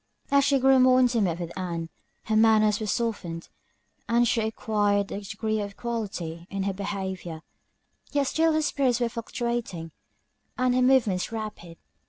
As she grew more intimate with Ann, her manners were softened, and she acquired a degree of equality in her behaviour: yet still her spirits were fluctuating, and her movements rapid.